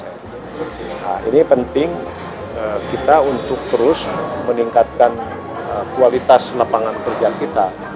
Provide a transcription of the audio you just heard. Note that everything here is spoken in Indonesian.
nah ini penting kita untuk terus meningkatkan kualitas lapangan kerja kita